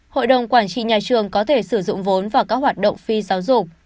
hội đồng quản trị nhà trường có thể sử dụng vốn vào các hoạt động phi giáo dục